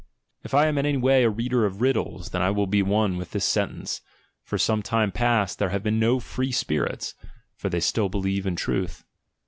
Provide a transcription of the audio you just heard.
— If I am in any way a reader of riddles, then I will be one with this sentence: for some time past there have been no free spirits; for they still believe in truth.